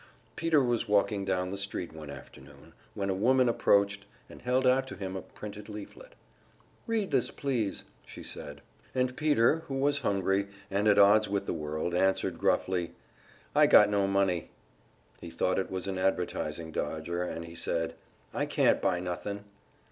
Peter was walking down the street one afternoon, when a woman approached and held out to him a printed leaflet. "Read this, please," she said. And Peter, who was hungry, and at odds with the world, answered gruffly: "I got no money." He thought it was an advertising dodger, and he said: "I can't buy nothin'."